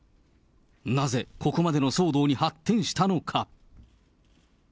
なぜここまでの騒動に発展したのか。